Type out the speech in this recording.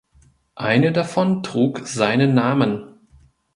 Eine davon trug seinen Namen.